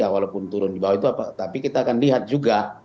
walaupun turun di bawah itu apa tapi kita akan lihat juga